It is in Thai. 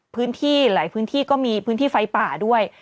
พื้นที่หลายพื้นที่ก็มีพื้นที่ไฟป่าด้วย